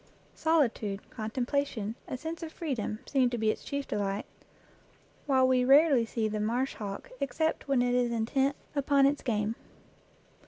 Solitude, contemplation, a sense of freedom, seem to be its chief delight, while we rarely see the marsh hawk except when it is intent 57 EACH AFTER ITS KIND upon its game.